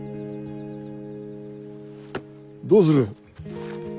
どうする？